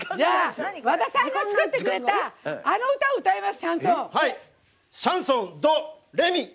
和田さんが作ってくれたあの歌を歌います。